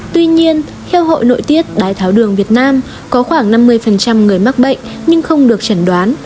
tuy nhiên theo hội nội tiết đái tháo đường việt nam có khoảng năm mươi người mắc bệnh nhưng không được chẩn đoán